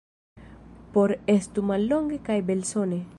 Por estu mallonge kaj belsone.